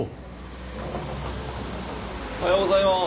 おはようございます。